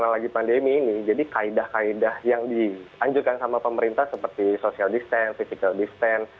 lagi pandemi ini jadi kaedah kaedah yang dianjurkan sama pemerintah seperti social distance physical distance